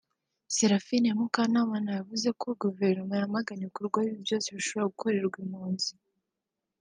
Seraphine Mukantabana yavuze ko guverinoma yamagana ibikorwa bibi byose bishobora gukorerwa impunzi